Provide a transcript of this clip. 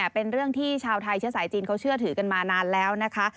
เป็นเรื่องที่ชาวไทยเชื้อสายจีนเขาเชื่อถือกันมานานแล้วนะคะ